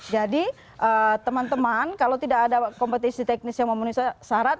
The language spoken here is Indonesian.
jadi teman teman kalau tidak ada kompetisi teknis yang memenuhi syarat